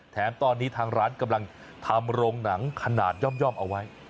แถมตอนนี้ทางร้านกำลังทำโรงหนังขนาดย่อมเอาไว้